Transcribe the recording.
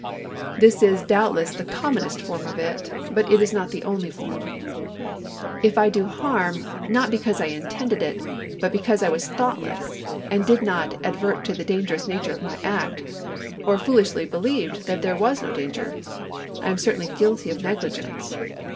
This is doubtless the commonest form of it, but it is not the only form. If I do harm, not because I intended it, but because I was thoughtless and did not advert to the dangerous nature of my act, or foolishly believed that there was no danger, I am certainly guihy of negligence.